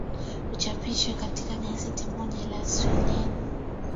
uchapishwe katika gazeti moja la sweden